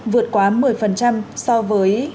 vượt quá một mươi so với